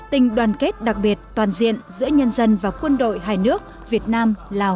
tình đoàn kết đặc biệt toàn diện giữa nhân dân và quân đội hai nước việt nam lào